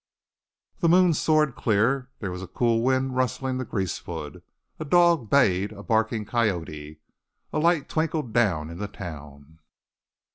The moon soared clear; there was a cool wind rustling the greasewood; a dog bayed a barking coyote; lights twinkled down in the town.